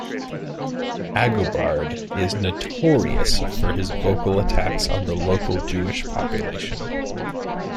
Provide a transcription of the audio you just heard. Agobard is notorious for his vocal attacks on the local Jewish population.